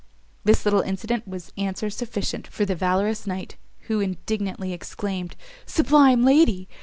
This little incident was answer sufficient for the valorous knight, who indignantly exclaimed, "Sublime Lady!